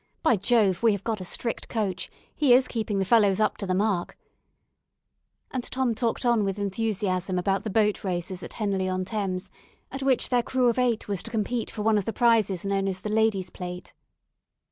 By Jove! we have got a strict coach; he is keeping the fellows up to the mark," and Tom talked on with enthusiasm about the boat races at Henley on Thames, at which their crew of eight was to compete for one of the prizes known as "The Ladies' Plate."